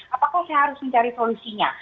apakah saya harus mencari solusinya